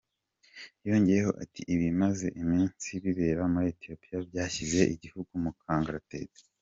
Yongeyeho ati “Ibimaze iminsi bibera muri Ethiopia byashyize igihugu mu kangaratete.